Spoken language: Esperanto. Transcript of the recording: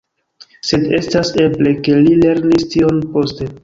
Sed estas eble, ke li lernis tion poste.